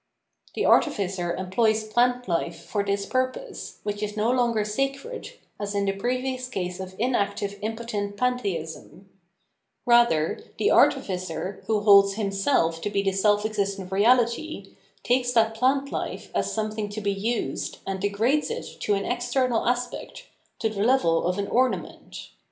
The artificer em ploys plant life for this purpose, which is no longer sacred, as in the previous case of inactive impotent 709 The Artificer pantheism ; rather, the artificer, who holds himself to be the self existent reahty, takes that plant fife as something to be nsed and degrades it to an ex ternal aspect, to the level of an ornament.